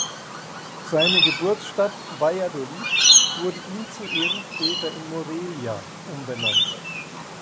Seine Geburtsstadt Valladolid wurde ihm zu Ehren später in Morelia umbenannt.